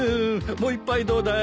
もう一杯どうだい？